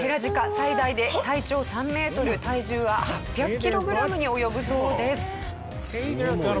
最大で体長３メートル体重は８００キログラムに及ぶそうです。